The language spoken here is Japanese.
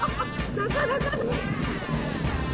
なかなかの。